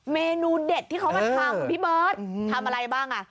เมนูเด็ดที่เขามาทำพี่เบิร์ตทำอะไรบ้างอ่ะ